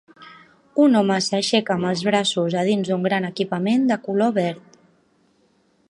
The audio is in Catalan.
Un home s'aixeca amb els braços a dins d'un gran equipament de color verd.